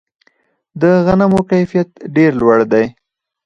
د غنمو کیفیت ډیر لوړ دی.